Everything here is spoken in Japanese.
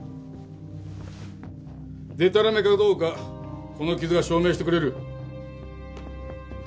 でたらめかどうかこの傷が証明してくれる。